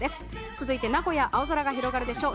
続いて名古屋青空が広がるでしょう。